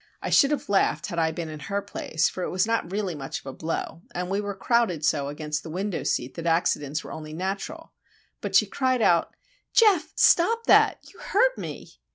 I should have laughed had I been in her place, for it was not really much of a blow, and we were crowded so against the window seat that accidents were only natural. But she cried out,— "Geof! stop that! You hurt me!"